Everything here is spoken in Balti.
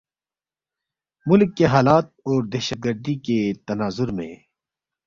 ملک کے حالات اور دہشت گردی کے تناظر میں